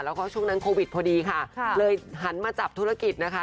แล้วก็ช่วงนั้นโควิดพอดีค่ะเลยหันมาจับธุรกิจนะคะ